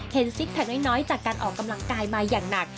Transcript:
ซิกแพคน้อยจากการออกกำลังกายมาอย่างหนัก